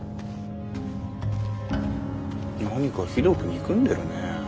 何かひどく憎んでるねえ。